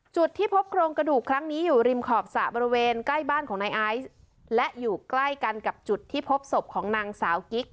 จุดที่พบโครงกระดูกครั้งนี้อยู่ริมขอบสระบริเวณใกล้บ้านของนายไอซ์และอยู่ใกล้กันกับจุดที่พบศพของนางสาวกิ๊ก